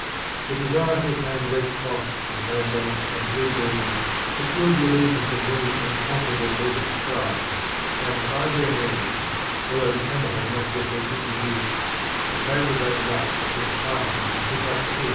The desire to obtain red cloth and amber and blue beads secured the allegiance of many unconquerable desert tribes, and by their means, although the camel had not yet been introduced, a trade was opened up between Carthage and Timbuktu.